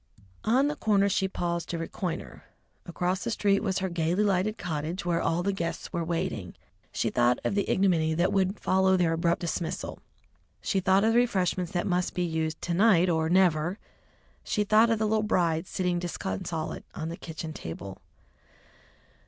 On the corner she paused to reconnoitre. Across the street was her gaily lighted cottage, where all the guests were waiting. She thought of the ignominy that would follow their abrupt dismissal, she thought of the refreshments that must be used to night or never, she thought of the little bride sitting disconsolate on the kitchen table.